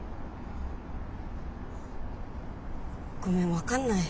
ごめん分かんない。